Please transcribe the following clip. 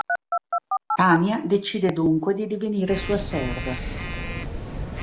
Tanya decide dunque di divenire sua serva.